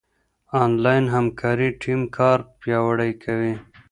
انلاين همکاري ټيم کار پياوړی کوي.